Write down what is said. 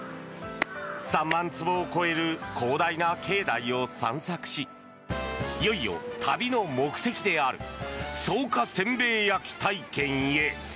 ３万坪を超える広大な境内を散策しいよいよ旅の目的である草加せんべい焼き体験へ。